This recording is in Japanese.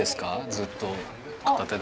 ずっと片手で。